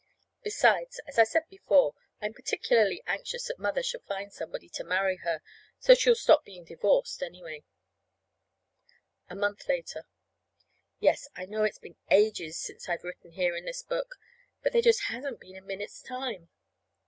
Besides, as I said before, I'm particularly anxious that Mother shall find somebody to marry her, so she'll stop being divorced, anyway. A month later. Yes, I know it's been ages since I've written here in this book; but there just hasn't been a minute's time.